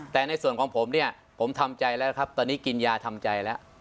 แต่ในส่วนของผมเนี่ยผมทำใจแล้วครับตอนนี้กินยาทำใจแล้ว